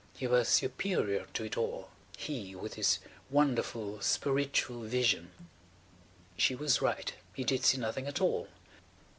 He was superior to it all. He–with his wonderful "spiritual" vision! She was right. He did see nothing at all.